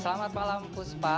selamat malam puspa